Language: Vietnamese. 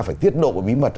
phải tiết độ bí mật